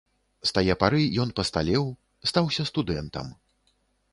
З тае пары ён пасталеў, стаўся студэнтам.